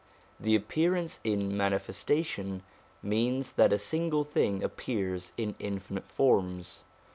The appearance in manifestation means that a single thing appears in infinite forms.